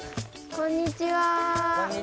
こんにちは。